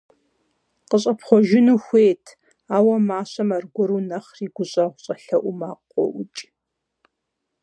КъыщӀэпхъуэжыну хуейт, ауэ мащэм аргуэру нэхъри гущӀэгъу щӀэлъэӀуу макъ къоӀукӀ.